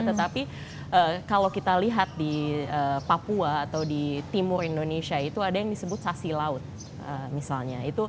tetapi kalau kita lihat di papua atau di timur indonesia itu ada yang disebut sasi laut misalnya